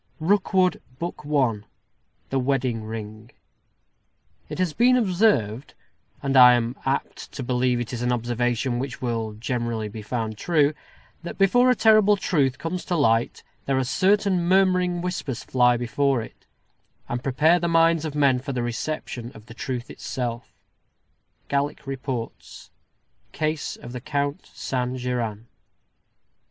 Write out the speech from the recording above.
ROOKWOOD BOOK I THE WEDDING RING It has been observed, and I am apt to believe it is an observation which will generally be found true, that before a terrible truth comes to light, there are certain murmuring whispers fly before it, and prepare the minds of men for the reception of the truth itself. _Gallick Reports: Case of the Count Saint Geran.